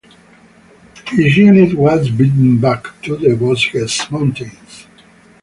His unit was beaten back to the Vosges mountains.